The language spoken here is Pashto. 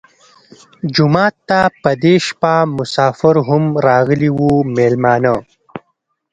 جومات ته په دې شپه مسافر هم راغلي وو مېلمانه.